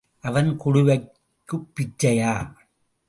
அவன் குடுவைக்குப் பிச்சையா?